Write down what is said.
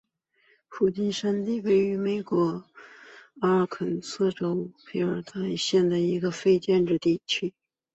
普莱森特山是位于美国阿肯色州波尔克县的一个非建制地区。